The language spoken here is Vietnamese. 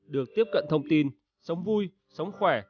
được tiếp cận thông tin sống vui sống khỏe